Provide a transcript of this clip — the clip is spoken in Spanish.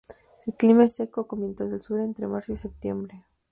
El clima es seco, con vientos del sur entre marzo y septiembre.